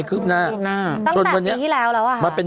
คืออืม